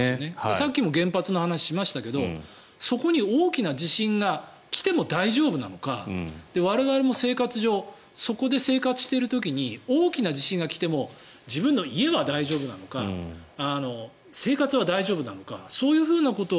さっきも原発の話しましたけどそこに大きな地震が来ても大丈夫なのか、我々も生活上そこで生活してる時に大きな地震が来ても自分の家は大丈夫なのか生活は大丈夫なのかそういうふうなこと。